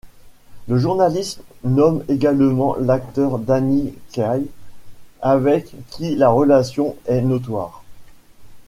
Le journaliste nomme également, l'acteur Danny Kaye, avec qui la relation est notoire.